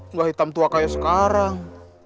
nggak hitam tua kayak sekarang